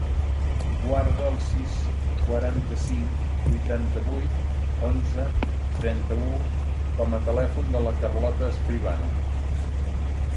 Guarda el sis, quaranta-cinc, vuitanta-vuit, onze, trenta-u com a telèfon de la Carlota Escribano.